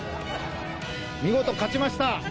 見事勝ちました。